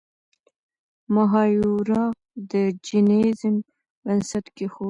مهایورا د جینیزم بنسټ کیښود.